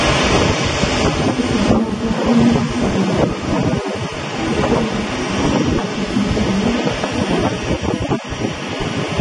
Гэта была злачыннасць у думках, але поўнай свядомасці тут не было як такой.